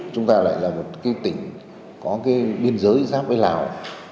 chúng ta lại là một cái tỉnh có cái biên giới giáp với lào